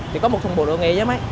thì có một thùng bộ đội nghệ giống ấy